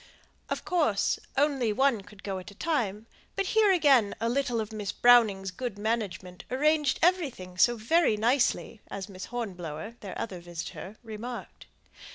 Of course only one could go at a time; but here again a little of Miss Browning's good management arranged everything so very nicely, as Miss Hornblower (their other visitor) remarked.